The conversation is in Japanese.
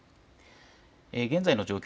現在の状況